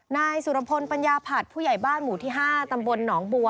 นายสุรพลปัญญาผัดผู้ใหญ่บ้านหมู่ที่๕ตำบลหนองบัว